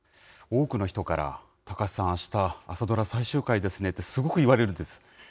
多くの人から、高瀬さん、あした、朝ドラ最終回ですねって、すごく言われるんです。